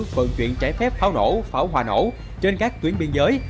vận chuyển trái phép pháo nổ pháo hòa nổ trên các tuyến biên giới